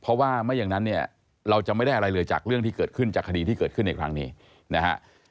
เพราะว่าไม่อย่างนั้นเนี่ยเราจะไม่ได้อะไรเลยจากเรื่องที่เกิดขึ้นจากคดีที่เกิดขึ้นในครั้งนี้นะฮะ